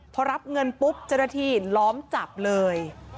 พอรับเงินปุ๊บเจ้าหน้าที่ล้อมจับเลย